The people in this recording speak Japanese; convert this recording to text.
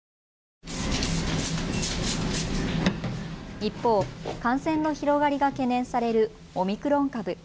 一方、感染の広がりが懸念されるオミクロン株。